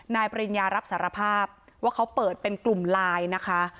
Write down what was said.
ปริญญารับสารภาพว่าเขาเปิดเป็นกลุ่มไลน์นะคะ